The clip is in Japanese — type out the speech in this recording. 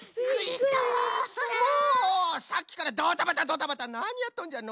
さっきからドタバタドタバタなにやっとんじゃ？